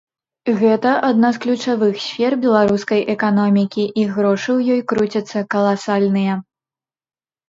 Гэта адна з ключавых сфер беларускай эканомікі, і грошы ў ёй круцяцца каласальныя.